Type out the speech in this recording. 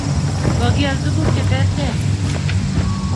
Kokial tuguk che terter